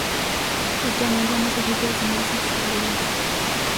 Actualmente ambos equipos están en distintas categorías.